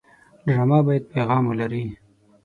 ډرامه باید پیغام ولري